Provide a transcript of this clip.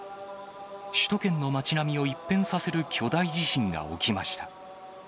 首都圏の街並みを一変させる巨大地震が起きました。